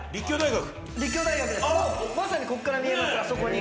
まさにこっから見えますあそこに。